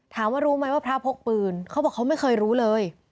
รู้ไหมว่าพระพกปืนเขาบอกเขาไม่เคยรู้เลย